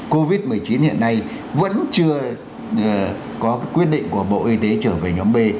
covid một mươi chín hiện nay vẫn chưa có quyết định của bộ y tế trở về nhóm b